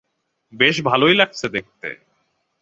বেশ ভালোই লাগছে দেখতে।